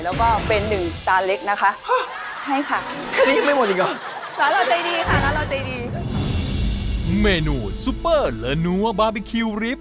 แล้วก็เป็น๑จานเล็กนะคะ